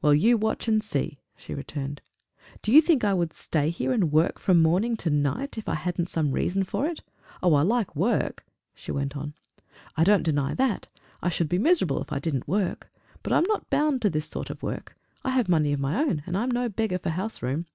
"Well, you watch and see!" she returned. "Do you think I would stay here and work from morning to night if I hadn't some reason for it? Oh, I like work!" she went on; "I don't deny that. I should be miserable if I didn't work. But I'm not bound to this sort of work. I have money of my own, and I'm no beggar for house room.